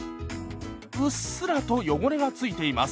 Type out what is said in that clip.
うっすらと汚れが付いています。